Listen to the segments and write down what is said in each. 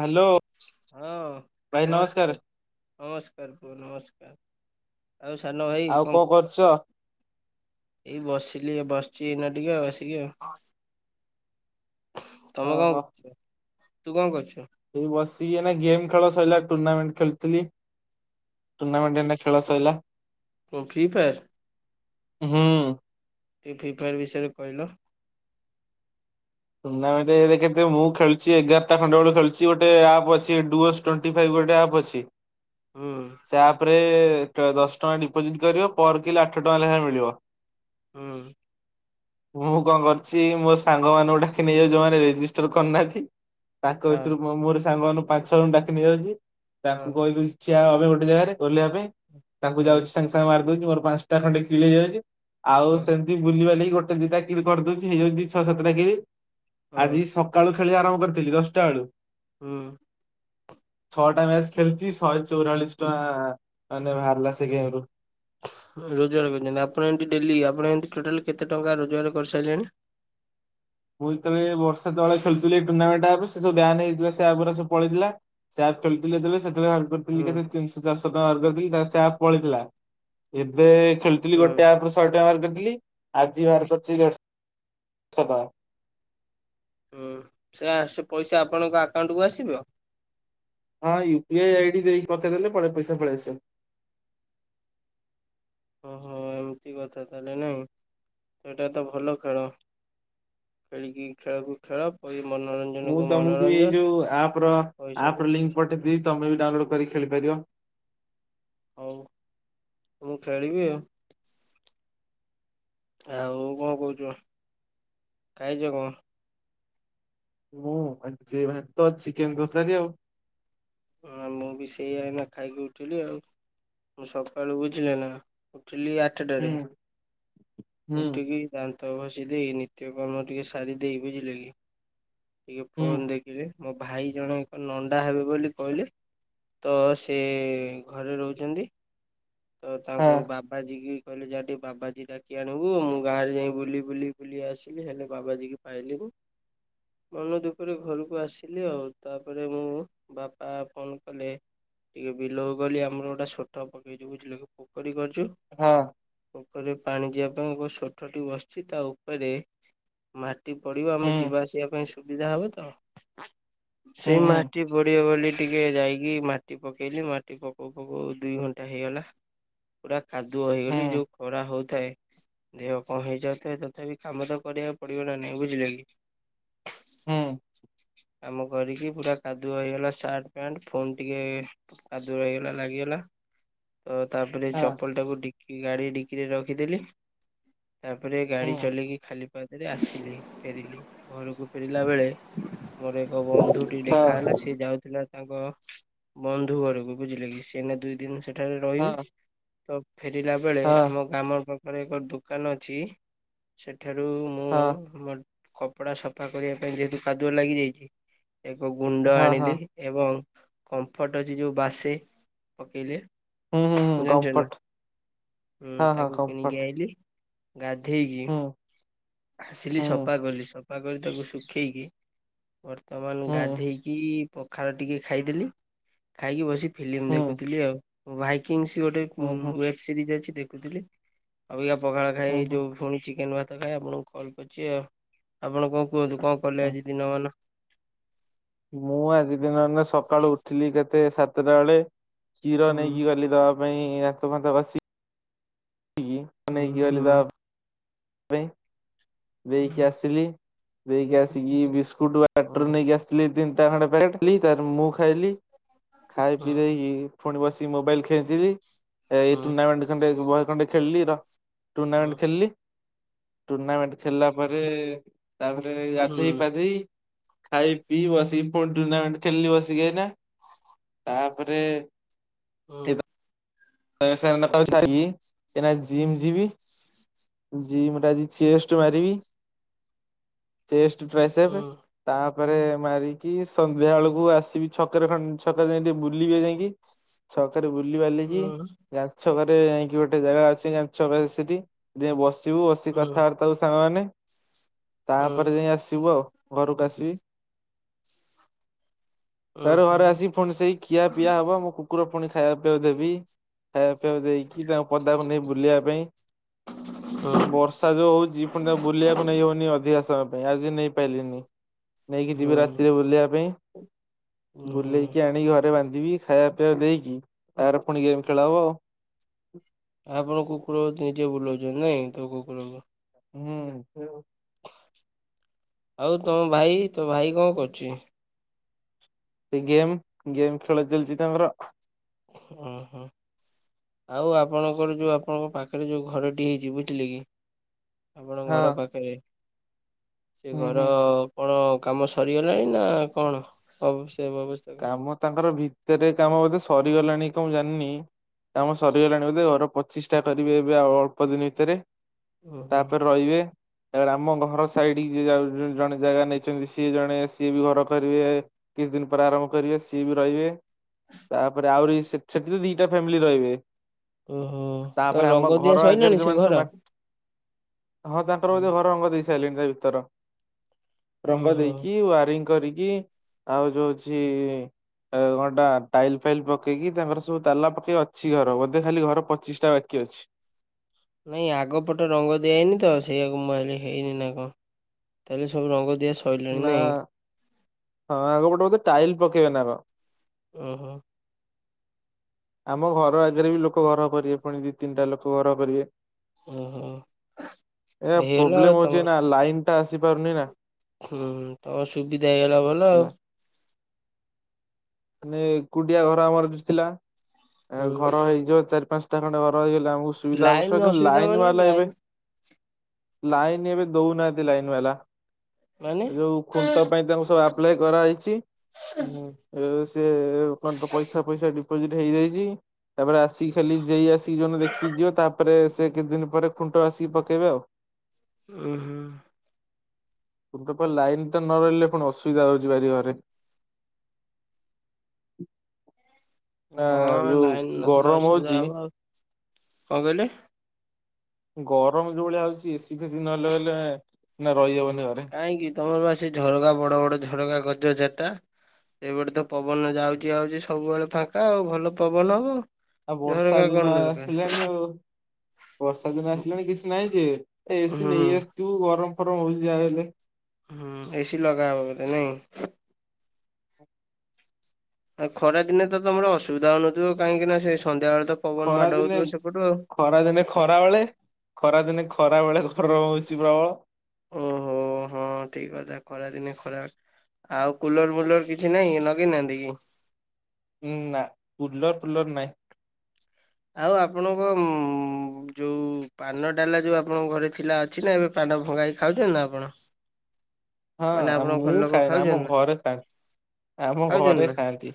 Hello. ହଁ ନମସ୍କାର ନମସ୍କାର ପୁଅ ନମସ୍କାର। ଆଉ ସାନ ଭାଇ ଆଉ କଣ କରୁଚ? ଏଇ ବସିଲି ଏ ବସିଚି ଏଇନା ଟିକେ ଆଉ ଆସିକି ଆଉ। ତମେ କଣ ଓହୋ କରୁଛ? ତୁ କଣ କରୁଛୁ? ଏଇ ବସିକି ଏଇନା ଗେମ୍ ଖେଳ ସରିଲା ଟୁର୍ଣ୍ଣାମେଣ୍ଟ ଖେଳୁ ଥିଲି। ଟୁର୍ଣ୍ଣାମେଣ୍ଟ ଏଇନା ଖେଳ ସଇଲା। କଣ ଫ୍ରି ଫାୟାର୍? ହୁଁ। ଟିକେ ଫ୍ରି ଫାୟାର୍ ବିଷୟରେ କହିଲ? ଟୁର୍ଣ୍ଣାମେଣ୍ଟ ଏବେ କିନ୍ତୁ ମୁଁ ଖେଳୁଛି ଏଗାରଟା ଖଣ୍ଡ ବେଳୁ ଖେଳୁଛି ଗୋଟେ ଆପ୍ ଅଛି ଡୁଅସ୍ ଟୋଣ୍ଟି ଫାଇଫ୍ ଗୋଟେ ଆପ୍ ଅଛି। ହୁଁ। ସେ ଆପ୍ ରେ ଟ ଦଶ ଟଙ୍କା ଡିପୋଜିଟ୍ କରିବ। ପର୍ କିଲା ଆଠ ଟଙ୍କା ଲେଖାଏଁ ମିଳିବ। ହୁଁ ମୁଁ କଣ କରୁଛି? ମୋ ସାଙ୍ଗ ମାନଙ୍କୁ ଡାକିକି ନେଇଯାଉଛି। ଯୋଉମାନେ ରେଜିଷ୍ଟର୍ କରିନାହାନ୍ତି। ତାଙ୍କ ହଁ ଭିତରୁ ମୁଁ ମୋର୍ ସାଙ୍ଗ ମାନଙ୍କୁ ପାଞ୍ଚ ଛଅ ଜଣଙ୍କୁ ଡ଼ାକି ନେଇଯାଉଛି। ତାଙ୍କୁ ହଁ। କହି ଦୋଉଛି ଠିଆ ହୋବେ ଗୋଟେ ଜାଗାରେ ଓହ୍ଲେଇବା ପାଇଁ। ତାଙ୍କୁ ହଁ ଯାଉଛି। ସାଙ୍ଗେ ସାଙ୍ଗେ ମାରି ଦୋଉଛି ମୋର ପାଞ୍ଚଟା ଖଣ୍ଡେ କିଲ ହେଇ ଯାଉଛି। ଆଉ ହଁ ସେମିତି ବୁଲିବାଲିକି। ଗୋଟେ ଦି ଟା କିଲ କରିଦଉଛି। ହେଇଯାଉଛି ଦି ଛଅ ସାତ ଟା କିଲ। ଆଜି ହଁ। ସକାଳୁ ଖେଳି ଆରମ୍ଭ କରିଥିଲି। ଦଶଟା ବେଳୁ। ହୁଁ। ଛଅ ଟା ମ୍ୟାଚ୍ ଖେଳିଛି। ଶହେ ଚଉରାଳିଶ ଟଙ୍କା ମାନେ ବାହାରିଲା, ସେ ଗେମ୍ ରୁ। ରୋଜୋଗାର କରିଛନ୍ତି। ଆପଣ ଏମିତି ଡେଲି, ଆପଣ ଏମିତି ଟୋଟାଲ୍ କେତେ ଟଙ୍କା ରୋଜୋଗାର କରି ସାରିଲେଣି? ମୁଁ ଯେତେବେଳେ ଏଇ ବର୍ଷେ ତଳେ ଖେଳୁଥିଲି। ଟୁର୍ଣ୍ଣାମେଣ୍ଟ ଆପ୍ ରେ ସେ ସବୁ ବ୍ୟାନ୍ ହେଇଥିଲା। ସେ ଆଗରା ସବୁ ପଳେଇ ଥିଲା। ସେ ଆପ୍ ଖେଳୁଥିଲି ଯେତେବେଳେ, ସେତେବେଳ କରିଥିଲି ହୁଁ କେତେ? ତିନିଶ ଚାରିଶହ ଟଙ୍କା ରୋଜୋଗାର କରିଥିଲି। ତାପରେ ସେ ଆପ୍ ପଳେଇ ଥିଲା। ଏବେ ଖେଳୁ ଥିଲି। ହୁଁ ଗୋଟେ ଆପ୍ ରୁ ଶହେ ଟଙ୍କା ବାହାର କରିଥିଲି। ଆଜି ବାହାର କରିଛି ଦେଢ଼ଶ ଟଙ୍କା। ହଁ। ସେ ଆ ସେ ପଇସା ଆପଣଙ୍କ ଆକାଉଣ୍ଟକୁ ଆସିବ? ହଁ। ୟୁ ପି ଆଇଡି ଦେଇକି ପଠେଇ ଦେଲେ। ପଳେଇ ପଇସା ପଳେଇ ଆସିବ। ଓହ। ଏମିତି କଥା ତାହେଲେ ନାଇଁ? ସେଇଟା ତ ଭଲ ଖେଳ। ଖେଳିକି ଖେଳ କୁ ଖେଳ ଆଉ ଏଇ ମନୋରଞ୍ଜନ ମୁଁ ତମକୁ ଏଇ ଯୋଉ ଆପ୍ ର ଆପ୍ ପଇସାକୁ ର ଲିଙ୍କ ପଇସା। ପଠେଇ ଦେବି। ତମେ ବି ଡାଉନଲୋଡ୍ କରିକି ଖେଳି ପାରିବ। ହଉ। ମୁଁ ଖେଳିବି ଆଉ। ଆଉ କଣ କହୁଛ? ଖାଇଚ କଣ? ମୁଁ ଖାଇଛି ଏ ଭାତ, ଚିକେନ୍ ତରକାରୀ ଆଉ। ହିଁ। ଆଉ ମୁଁ ବି ସେଇଆ ଏଇନା ଖାଇକି ଉଠିଲି ଆଉ। ମୁଁ ସକାଳୁ ବୁଝିଲେ ନା? ଉଠିଲି ଆଠ ହୁଁ ଟାରେ। ହୁଁ ଉଠିକି ଦାନ୍ତ ଘଷି ଦେଇ, ନିତ୍ୟକର୍ମ ଟିକେ ସାରି ଦେଇ, ବୁଝିଲେ କି? ଟିକେ ହୁଁ ଫୋନ୍ ଦେଖିଲି। ମୋ ଭାଇ ଜଣଙ୍କ ନଣ୍ଡା ହେବେ ବୋଲି କହିଲେ। ତ ସେ ଘରେ ରହୁଛନ୍ତି। ତ ହଁ ତାଙ୍କୁ ବା ବାଜି କି କହିଲି ଯା ଟିକେ ବାବାଜୀ ଡାକି ଆଣିବୁ ମୁଁ ଗାଁ ରେ ଯାଇ ବୁଲି ବୁଲି ବୁଲି ଆସିଲି ହେଲେ ବାବାଜୀ କି ପାଇଲିନି ମୁଁ। ମନ ଦୁଃଖରେ ଘରକୁ ଆସିଲି ଆଉ। ତାପରେ ମୁଁ ବା ପା ଫୋନ୍ କଲେ। ଟିକେ ବିଲକୁ ଗଲି ଆମର ଗୋଟେ ସୋଟ ପୋ ବୁଝିଲ କି ପୋଖରୀ କରିଛୁ। ହଁ ପୋଖରୀରେ ପାଣି ଯିବା ପାଇଁ ଏକ ଷୋଠଟେ ବସିଛି ତା ଉପରେ ମାଟି ପଡିବ ଆମେ ହୁଁ ଯିବା ଆସିବା ପାଇଁ ସୁବିଧା ହବ ତ। ହୁଁ ସେଇ ହୁଁ ମାଟି ପଡିବ ବୋଲି ଟିକେ ଯାଇକି ମାଟି ପକେଇଲି ମାଟି ପକଉ ପକଉ ଦୁଇ ଘଣ୍ଟା ହେଇଗଲା। ପୁରା କାଦୁଅ ହୁଁ ହେଇଗଲି ଯୋଉ ଖରା ହଉଥାଏ। ଦେହ କଣ ହେଇଯାଉଥାଏ ତଥାପି କାମ ତ କରିବାକୁ ପଡିବ ନା ନାଇଁ ବୁଝିଲେ କି। ହୁଁ କାମ କରିକି ପୁରା କାଦୁଅ ହେଇଗଲା ସାର୍ଟ। ପ୍ୟାଣ୍ଟ୍ ଫୋନ୍ ଟିକେ କାଦୁଅ ହେଇଗଲା ଲାଗିଗଲା। ତ ତାପରେ ଏଇ ହଁ ଚପଲ ଟାକୁ ଡିକି ଗାଡି ଡିକିରେ ରଖିଦେଲି। ତାପରେ ହୁଁ ଗାଡି ଚଲେଇକି ଖାଲି ପାଦରେ ଆସିଲି ଫେରିଲି ଘରକୁ ଫେରିଲା ବେଳେ ମୋର ଏକ ବନ୍ଧୁଟି ହଁ ଦେଖା ହେଲା ସେ ଯାଉଥିଲା। ତାଙ୍କ ବନ୍ଧୁ ଘରକୁ ବୁଝିଲେ କି ସିଏ ଏଇନା ଦୁଇ ଦିନି ସେଠାରେ ରହିବେ। ହଁ ତ ଫେରିଲା ବେଳେ ହଁ ଆମ ଗ୍ରାମ ପାଖରେ ଏକ ଦୋକାନ ଅଛି ସେଠାରୁ ମୁଁ ହଁ ଆମର କପଡ଼ା ସଫା କରିବା ପାଇଁ ଯେହେତୁ କାଦୁଅ ଲାଗିଯାଇଛି ଏକ ଗୁଣ୍ଡ ହଁ ହଁ ହଁ ଆଣିଲି, ଏବଂ କମ୍ଫଟ୍ ଅଛି, ଯଉଁ ବାସେ ପକେଇଲେ। ହୁଁ ହୁଁ ହୁଁ ଜାଣିଛନ୍ତି କମ୍ଫର୍ଟ ନାଁ ହଁ ହଁ ତାକୁ କିଣିକି କମ୍ଫର୍ଟ ଆଇଲି। ଗାଧେଇକି ହୁଁ ଆସିଲି ହୁଁ ସଫା କଲି, ସଫା ସଫା କରି ତାକୁ ଶୁଖେଇକି ବର୍ତ୍ତମାନ ହୁଁ ଗାଧେଇକି ପଖାଳ ଟିକେ ଖାଇଦେଲି ଖାଇକି ବସିକି ଫିଲ୍ମ ହୁଁ ଦେଖୁଥିଲି ଆଉ, ଭାଇକିଙ୍ଗସ୍ ଗୋଟେ ହୁଁ ହୁଁ ୱେବ୍ ସିରିଜ ଅଛି ଦେଖୁଥିଲି। ଅବିକା ପଖାଳ ହୁଁ ଖାଇ ହୁଁ ଯୋଉ ଫୁଣି ଚିକେନ ଭାତ ଖାଇ ଆପଣଙ୍କୁ କଲ କରିଛି ଆଉ ଆପଣ କଣ କୁହନ୍ତୁ କଣ କଲେ ଉଁ, ଆଜି ଦିନମାନ? ମୁଁ ଆଜି ଦିନଟା ସକାଳୁ ଉଠିଲି କେତେ ସାତଟା ବେଳେ କ୍ଷୀର ହୁଁ ନେଇକି ଗଲି ଦବା ପାଇଁ। ପାଇଁ ଦାନ୍ତ ଫାନ୍ତ ଘସି, କ୍ଷୀର ହୁଁ ନେଇକି ଗଲି ହୁଁ ଦବା ପାଇଁ ଦେଇକି ହୁଁ। ଆସିଲି ଦେଇକି ଆସିକି ବିସ୍କୁଟ ବା ହୁଁ ବାଟରୁ ନେଇକି ଆସିଥିଲି ତିନିଟା ଖଣ୍ଡେ ପ୍ୟାକେଟ ତାପରେ ମୁଁ ଖାଇଲି, ଖାଇ ପିଇ ହୁଁ ଦେଇକି ପୁଣି ବସିକି ମୋବାଇଲ ଖେଞ୍ଚିଲି ଏଇ ଟୁର୍ଣ୍ଣାମେଣ୍ଟ ଖଣ୍ଡେ ବହେ ଖଣ୍ଡେ ଖେଳିଲି, ରହ ହୁଁ ଟୁର୍ଣ୍ଣାମେଣ୍ଟ ଖେଳିଲି। ଟୁର୍ଣ୍ଣାମେଣ୍ଟ ଖେଳିଲା ପରେ ତାପରେ ହୁଁ ଗାଧେଇ ପାଧେଇ ଖାଇ ପିଇ ବସିକି ପୁଣି ଟୁର୍ଣାମେଣ୍ଟ ଖେଳିଲି ବସିକି ଏଇନା ତାପରେ ହଁ [unintelligible] ସାରିକି ଏଇନା ଜିମ୍ ଯିବି। ଜିମ୍ ରେ ଆଜି ଚେଷ୍ଟ ମାରିବି, ଚେଷ୍ଟ ଟ୍ରାଏସେଫ୍। ତାପରେ ମାରିକି ସନ୍ଧ୍ୟା ବେଳକୁ ଆସିବି ଛକରେ ଖଣ୍ଡେ ଛକରେ ଯାଇ ଟିକେ ବୁଲିବି ଯାଇକି। ଛକରେ ବୁଲିବାଲିକି ଆପଣ ଗାନ୍ଧି ଛକରେ ଯାଇକି ଗୋଟେ ଜାଗା ଅଛି ଗାନ୍ଧୀ ଛକ ସେଠି। ସେଠି ଯାଇ ବସିବୁ ବସିିକି କଥାବାର୍ତ୍ତା ହବୁ ସାଙ୍ଗମାନେ। ତାପରେ ଯାଇ ଆସିବୁ ଆଉ ଘରକୁ ଆସିବି। ତାପରେ ଘରେ ଆସିକି ପୁଣି ସେଇ ଖିଆ ପିଆ ହବ ମୁଁ କୁକୁର ପୁଣି ଖାଇବା ପିଇବାକୁ ଦେବି। ଖାଇବା ପିଇବାକୁ ଦେଇକି ତାକୁ ପଦାକୁ ନେବି ବୁଲିବା ପାଇଁ। ହଁ ବର୍ଷା ଯୋଉ ହଉଛି ପୁଣିତା ବୁଲିବାକୁ ନେଇ ହଉନି ଅଧିକା ସମୟ ପାଇଁ ଆଜି ନେଇପାଇଲିନି। ନେଇକି ଯିବି ରାତିରେ ବୁଲିବା ପାଇଁ ବୁଲେଇକି ଆଣିକି ଘରେ ବାନ୍ଧିବି। ଖାଇବା ପିଇବାକୁ ଦେଇକି ତାପରେ ପୁଣି ଗେମ୍ ଖେଳା ହବ ଆଉ। ଆପଣ କୁକୁରକୁ ନିଜେ ବୁଲଉଛନ୍ତି ନାଇଁ ତ କୁକୁରକୁ। ହୁଁ [unintelligible] ଆଉ ତମ ଭାଇ ତୋ ଭାଇ କଣ କରୁଛି? ସେ ଗେମ୍, ଗେମ୍ ଖେଳ ଚାଲିଛି ତାଙ୍କର। ଅହଁ। ଆଉ ଆପଣଙ୍କର ଯୋଉ ଆପଣଙ୍କ ପାଖରେ ଯୋଉ ଘରଟି ହେଇଛି ବୁଝିଲେ କି? ଆପଣ ହଁ ଘର ପାଖରେ ସେ ହୁଁ ଘର। ହୁଁ। କଣ କାମ ସରିଗଲାଣି ନା କଣ ହବ ସେ ବ୍ୟବସ୍ଥା। କାମ ତାଙ୍କର ଭିତରେ କାମ ବୋଧେ ସରିଗଲାଣି କଣ ମୁଁ ଜାଣିନି। କାମ ସରିଗଲାଣି ବୋଧେ ଘର ପ୍ରତିଷ୍ଠା କରିବେ ଏବେ ଆଉ ଅଳ୍ପ ଦିନ ଭିତରେ ଓହୋ ତାପରେ ରହିବେ। ତାପରେ ଆମ ଘର ସାଇଡକି ଯିଏ ଜଣେ ଜାଗା ନେଇଛନ୍ତି ସିଏ ଜଣେ ସିଏ ବି ଘର କରିବେ। [unintelligible] ଦିନ୍ [unintelligible] ଆରମ୍ଭ କରିବେ ସିଏ ବି ରହିବେ, ତାପରେ ଆହୁରି ସେଠି ତ ଦିଟା ଫ୍ୟାମିଲି ରହିବେ। ଓହୋ ତ ତାପରେ ରଙ୍ଗ ଆମ ଦିଆ ଘର ସରିଲାଣି ଆଗେରେ ସେ ଯୋଉମାନେ ଘର? ସବୁ ମାଟି ହଁ ତାଙ୍କର ବୋଧେ ଘର ରଙ୍ଗ ଦେଇ ସାରିଲିଣି ତା ଭିତର। ରଙ୍ଗ ଓହୋ ଦେଇକି ୱାରିଙ୍ଗ କରିକି ଆଉ ଯୋଉ [unintelligible] ଆଉ କଣଟା ଟାଇଲ୍ ଫାଇଲ୍ ପକେଇକି ତାଙ୍କର ସବୁ ତାଲା ପକେଇକି ଅଛି ଘର, ବୋଧେ ଖାଲି ଘର ପ୍ରତିଷ୍ଠା ବାକି ଅଛି। ନାଇଁ ଆଗ ପଟ ରଙ୍ଗ ଦିଆ ହଇନି ତ, ସେଇଆକୁ ମୁଁ ଭାବିଲି ହେଇନି ନା କଣ। ତାହେଲେ ସବୁ ରଙ୍ଗଦିଆ ସ ନା ହଁ ଆଗ ପଟେ ବୋଧେ ଟାଇଲ୍ ପକେଇବେ ନ କଣ। ଓହୋ। ଆମ ଘର ଆଗେରେ ବି ଲୋକ ଘର କରିବେ ପୁଣି ଦି ତିନିଟା ଲୋକ ଘର କରିବେ। ଓହୋ ଏ ହେଇଗଲା ଆଉ ପ୍ରୋବ୍ଲେମ୍ ତମ ହଉଚି ନା, ଲାଇନ୍ ଟା ଆସିପାରୁନି ନା। ହୁଁ ତମର ସୁବିଧା ହେଇଗଲା ଭଲ ହେଲା। ଆଉ। ମାନେ ଏକୁଟିଆ ଘର ଆମର ଥିଲା, ହୁଁ ଘର ହେଇଯିବ ଚାରି ପାଞ୍ଚଟା ଖଣ୍ଡେ ଘର ହେଇଗଲେ ଆମ ସୁୁବିଧା ହବ ଲାଇନ କିନ୍ତୁ ଅସୁବିଧା ଲାଇନ୍ ମାନେ ବାଲା ଏବେ ଲାଇନ ଲାଇନ୍ ଏବେ ଦଉନହାନ୍ତି ଲାଇନ୍ ବାଲା। ମାନେ ଏ ଯୋଉ ଖୁଣ୍ଟ ପାଇଁ ତାଙ୍କୁ ସବୁ ଆପ୍ଲାଏ କରାହେଇଚି। [inaudible] ଏ ସେ କଣ ତ ପଇସା ଫଇସା ଡିପୋଜିଟ୍ ହେଇଯାଇଚି। ତାପରେ ଆସିକି ଖାଲି ଯେଇ ଆସିକି ଯୋଣ ଦେଖିକି ଯିବ, ତାପରେ ସେ କେତେ ଦିନ୍ ପରେ ଖୁଣ୍ଟ ଆସିକି ପକେଇବେ ଆଉ। [inaudible] [unintelligible] ଲାଇନ୍ ଟା ନ ରହିଲେ ପୁଣି ଅସୁବିଧା ହଉଚି ଭାରି ଘରେ। ନା ହଁ ଯୋଉ ଲାଇନ୍ ନଥିଲେ ଗରମ ଅସୁବିଧା ହଉଛି ହବ ଆଉ, କଣ କହିଲେ? ଗରମ୍ ଯୋଉ ଭଳିଆ ହଉଚି ଏସି ଫେଶି ନହେଲେ [unintelligible] ରହିହବନି ଘରେ କାଇଁକି ତମର ବା ସେ ଝରକା ବଡ-ବଡ ଝରକା କରିଚ ଚାରିଟା। ସେଇପଟେ ତ ପବନ ଯାଉଚି ଆଉଚି ସବୁବେଳେ ଫାଙ୍କା ଆଉ ଭଲ ପବନ ହବ। ଆଉ ବର୍ଷା ଝରକା କଣ ଦିନ ଦରକାର ଆସିଲାଣି ଆଉ। ବର୍ଷା ଦିନ ହୁଁ ଆସିଲାଣି କିଛି ନାହିଁ ଯେ, ଏ ଏସି ନେଇ ଆସିଥିବୁ ଗରମ୍ ଫରମ୍ ହଉଛି ଯାହା ହଲେ। ହୁଁ ଏସି ଲଗା ହବ ବୋଧେ ନାଇଁ? ଆଉ ଖରା ଦିନେ ତମର ଅସୁବିଧା ହଉନଥିବ, କାହିଁକିନା ସେ ସନ୍ଧ୍ୟାବେଳେ ତ ପବନ ମାଡ ଖରାଦିନେ ହଉଥିବ ସେପଟୁ ଆଉ। ଖରାଦିନେ ଖରା ବେଳେ ଖରା ଦିନେ ଖରା ବେଳେ ଗରମ୍ ହଉଚି ପ୍ରବଳ। ଓହୋ। ହଁ ଠିକ୍ କଥା ଖରାଦିନେ ଖରା, ଆଉ କୁଲର୍ ଫୁଲର୍ କିଛି ନାହିଁ ନଗେଇନାହାନ୍ତି କି? ଉଁ ନା କୁଲର୍ ଫୁଲର୍ ନାଇଁ। ଆଉ ଆପଣଙ୍କ [unintelligible] ଯୋଉ ପାନ ଡାଲା ଯୋଉ ଆପଣଙ୍କ ଘରେ ଥିଲା ଅଛି ନା ଏବେ ପାନ ଭଙ୍ଗାକି ଖାଉଚନ୍ତି ନା ଆପଣ? ହଁ ମାନେ ଆ ଆପଣଙ୍କ ଘର ମୁଁ ଲୋକ ଖାଏନି, ଆମ ଖାଉଛନ୍ତି ନା ଘରେ ଖାଆନ୍ତି ଆମ ଖାଉଛନ୍ତି ଘରେ ନା? ଖାଆନ୍ତି।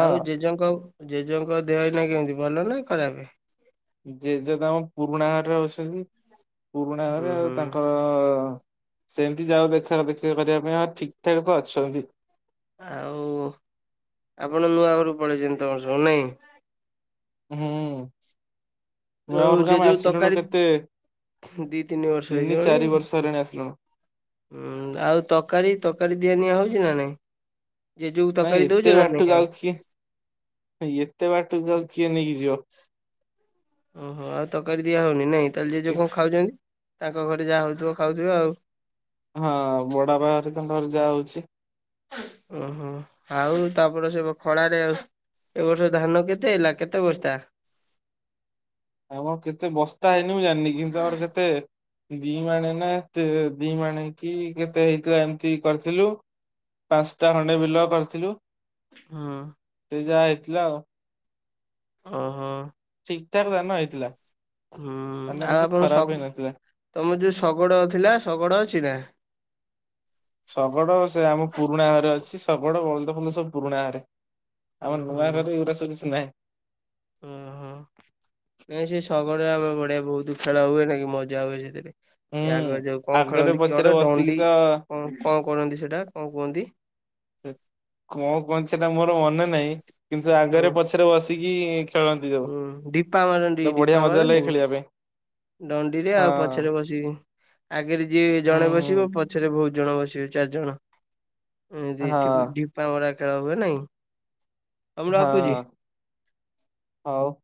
ଆଉ ଜେଜେଙ୍କ-ଜେଜେଙ୍କ ଦେହ ଏଇନା କେମିତି ଭଲ ନା ଖରାପେ ଜେଜେ ତାଙ୍କ ପୁରୁଣା ଘରେ ରହୁଛନ୍ତି, ପୁରୁଣା ହୁଁ ଘରେ ଆଉ ହୁଁ ତାଙ୍କର ସେମ୍ତି ଯାଉ ଦେଖା ଦେଖି କରିବା ପାଇଁ ଆଉ ଠିକ୍-ଠାକ୍ ତ ଅଛନ୍ତି। ଆଉ ଆପଣ ନୂଆ ଘରୁକୁ ପଳେଇଚନ୍ତି ତମର ସବୁ ନାଇଁ? ହୁଁ ତ ନୂଆ ଘରୁକୁ ଆମେ ଜେଜେଙ୍କୁ ଆସିଲୁଣୁ ତକାରୀ କେତେ ଦି ତିନି ବର୍ଷ ତିନ ଚାରି ବର୍ଷ ହେଲାଣି ଆସିଲୁଣୁ। ହୁଁ ଆଉ ତକାରୀ-ତକାରୀ ଦିଆ-ନିଆ ହଉଚି ନା ନାଇଁ? ଜେଜେକୁ ନାଇଁ ତରକାରୀ ଦଉଛ ଏତେ ନା ନାଇଁ ବାଟକୁ ଆଉ କିଏ, ଏତେ ବାଟକୁ ଆଉ କିଏ ନେଇକି ଯିବ। ଓହୋ ଆଉ ତକାରୀ ଦିଆହଉନି ନାଇଁ ତାହେଲେ ଜେଜ କଣ ଖାଉଚନ୍ତି, ତାଙ୍କ ଘରେ ଯାହା ହେଉଥିବ ଖାଉଥିବେ ଆଉ। ହଁ ବଡାପା ଘରେ ତ ଘରେ ଯାହା ହଉଚି ଓହୋ ଆଉ ତାପରେ ସେ ଖଳାରେ ଆଉ ଏବ ବର୍ଷ ଧାନ କେତେ ହେଲା କେତେ ବସ୍ତା? ଆମର କେତେ ବସ୍ତା ହେଇନି ମୁଁ ଜାଣିନି, କିନ୍ତୁ ଆମର କେତେ ଦି ମଣେ ନା ଏତେ ଦି ମାଣେ କି କେତେ ହେଇଥିଲା ଏମତି କରିଥିଲୁ। ପାଞ୍ଚଟା ଖଣ୍ଡେ ବିଲ କରିଥିଲୁ। ହଁ। ସେ ଯାହା ହେଇଥିଲା ଆଉ। ଓହୋ। ଠିକ୍ ଠାକ୍ ଧାନ ହେଇଥିଲା। ହୁଁ ଧାନ ଆଉ କିଛି ଆପଣ ଶ ଖରାପ ହେଇନଥିଲା। ତମର ଯୋଉ ଶଗଡ଼ ଥିଲା ଶଗଡ଼ ଅଛି ନା? ଶଗଡ ସେ ଆମ ପୁରୁଣା ଘରେ ଅଛି, ଶଗଡ ବଳଦ ଫଳଦ ସବୁ ପୁରୁଣା ଘରେ। ହୁଁ ଆମ ନୂଆ ହୁଁ ଘରେ ଏଇଗୁରା ସବୁ କିଛି ନାହିଁ। ଓହୋ ନାଇଁ ସେ ଶଗଡ଼ରେ ଆମେ ବଢିଆ ବହୁତ ଖେଳ ହୁଏ ନା କି ମଜା ହୁଏ ସେଥିରେ। ଆଗ ହୁଁ ଯୋଉ କଣ ଆଗରେ ଖେଳନ୍ତି ପଛରେ କିଆଡେ ବସିକି ଡଣ୍ଡି ତ କଣ-କଣ କରନ୍ତି ସେଇଟା କଣ କୁହନ୍ତି? କଣ କୁହନ୍ତି ସେଟା ମୋର ମନେ ନାହିଁ, କିନ୍ତୁ ସେ ହୁଁ ଆଗରେ ପଛରେ ବସିକି ଖେଳନ୍ତି ଯୋଉ ହୁଁ ଡିପା ମାରନ୍ତି ତ ବଢିଆ ଡିପା ମଜା ଲାଗେ ମାରନ୍ତିନି ଖେଳିବା ପାଇଁ। ଡଣ୍ଡିରେ ହଁ ଆଉ ପଛରେ ବସିକି। ଆଗେରେ ଯିଏ ହୁଁ ଜଣେ ହୁଁ ବସିବ, ପଛରେ ବହୁତ ଜଣ ବସିବେ ଚାରି ଜଣ। ଏ ହଁ ଢିପାମରା ଖେଳ ହୁଏ ନାଇଁ? ଆଉ ମୁଁ ରଖୁଛି। ହଁ ହଉ।